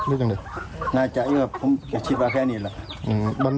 พูดจังเลยง่ายจังเลยครับผมเก็บชิบว่าแค่นี้แหละอืมมัน